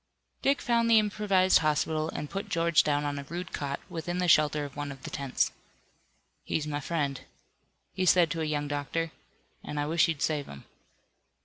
Dick found the improvised hospital, and put George down on a rude cot, within the shelter of one of the tents. "He's my friend," he said to a young doctor, "and I wish you'd save him."